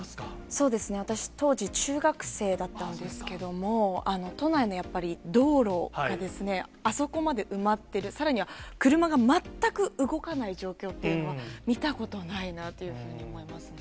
そうですね、私、当時、中学生だったんですけども、都内のやっぱり道路がですね、あそこまで埋まってる、さらには車が全く動かない状況っていうのは、見たことないなというふうに思いますね。